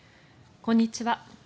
こんにちは。